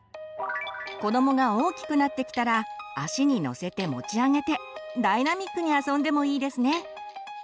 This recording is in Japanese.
子どもが大きくなってきたら足に乗せて持ち上げてダイナミックに遊んでもいいですね。